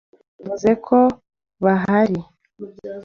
Bavuze ko bahari.